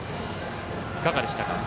いかがでしたか？